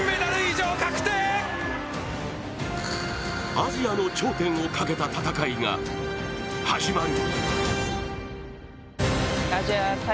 アジアの頂点をかけた戦いが始まる。